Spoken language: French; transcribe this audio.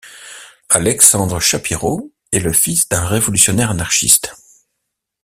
Alexandre Schapiro est le fils d’un révolutionnaire anarchiste.